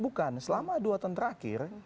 bukan selama dua tahun terakhir